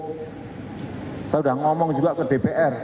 saya sudah ngomong juga ke dpr